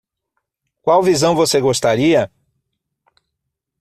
Qual visão você gostaria?